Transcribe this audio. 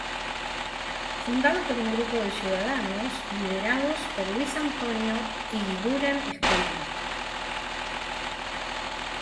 Fundado por un grupo de ciudadanos, liderados por Luis Antonio Eguiguren Escudero.